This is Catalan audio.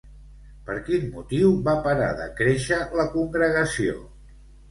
Per quin motiu va parar de créixer la congregació?